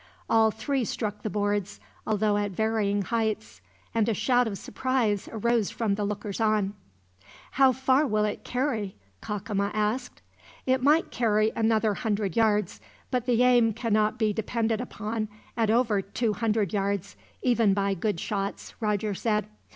All three struck the boards, although at varying heights; and a shout of surprise arose from the lookers on. "How far will it carry?" Cacama asked. "It might carry another hundred yards, but the aim cannot be depended upon at over two hundred yards, even by good shots," Roger said.